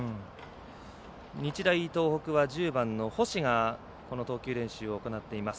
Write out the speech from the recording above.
日大東北は１０番の星が投球練習を行っています。